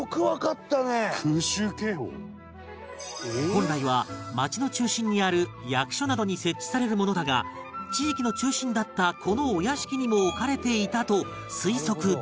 本来は町の中心にある役所などに設置されるものだが地域の中心だったこのお屋敷にも置かれていたと推測できる